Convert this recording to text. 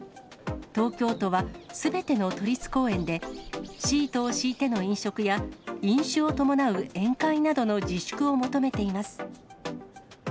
東京都は、すべての都立公園で、シートを敷いての飲食や、飲酒を伴う宴会などの自粛を求めています。